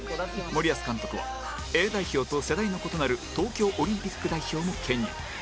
森保監督は Ａ 代表と世代の異なる東京オリンピック代表も兼任